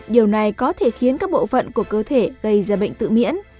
điều này có thể khiến các bộ phận của cơ thể gây ra bệnh tự miễn